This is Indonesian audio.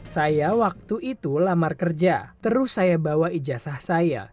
saya waktu itu lamar kerja terus saya bawa ijazah saya